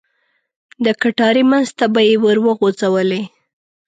د کټارې منځ ته به یې ور وغوځولې.